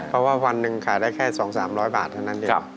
เพราะว่าวันหนึ่งขายได้แค่๒๓๐๐บาทเท่านั้นเอง